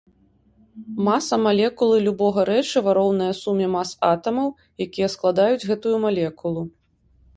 Маса малекулы любога рэчыва роўная суме мас атамаў, якія складаюць гэтую малекулу.